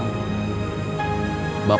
bapak juga bahagia